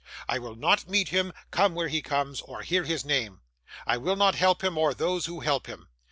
I will not meet him, come where he comes, or hear his name. I will not help him, or those who help him.